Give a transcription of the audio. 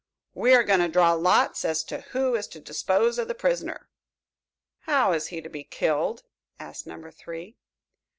"We are going to draw lots as to who is to dispose of the prisoner." "How is he to be killed?" asked Number Three.